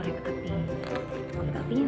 beritaha ngomong n jarasyan